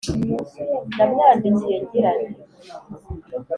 Namwandikiye ngira nti: